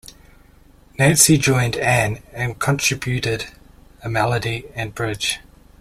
Nancy joined Ann and contributed a melody and bridge.